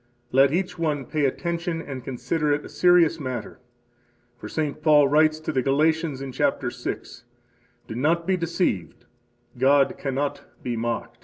Let each one pay attention and consider it a serious matter; for St. Paul writes to the Galatians in chapter six: "Do not be deceived: God cannot be mocked."